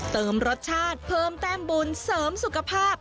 เติมรสชาติเพิ่มแต้มบุญเสริมสุขภาพ